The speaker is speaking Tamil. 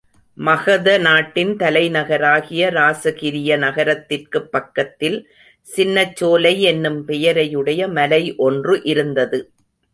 மகத நாட்டின் தலைநகராகிய இராசகிரிய நகரத்திற்குப் பக்கத்தில் சின்னச்சோலை என்னும் பெயரையுடைய மலை ஒன்று இருந்தது.